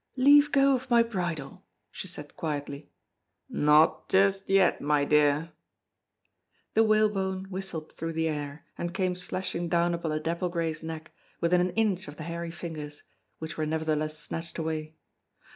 "Leave go of my bridle," she said quietly. "Not just yet, my dear." The whalebone whistled through the air, and came slashing down upon the dapple grey's neck, within an inch of the hairy fingers, which were nevertheless snatched away.